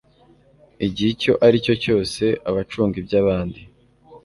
Igihe icyo ari cyo cyose abacunga iby abandi